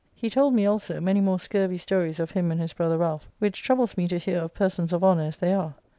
He told me, also, many more scurvy stories of him and his brother Ralph, which troubles me to hear of persons of honour as they are.